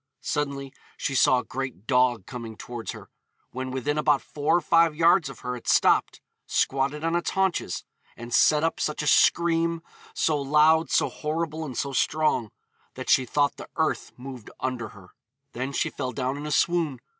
Suddenly she saw a great dog coming towards her. When within about four or five yards of her it stopped, squatted on its haunches, 'and set up such a scream, so loud, so horrible, and so strong, that she thought the earth moved under her.' Then she fell down in a swoon.